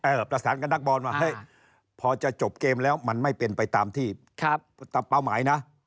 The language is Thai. ประสานกับนักบอลว่าเฮ้ยพอจะจบเกมแล้วมันไม่เป็นไปตามที่เป้าหมายนะ